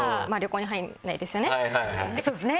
そうですね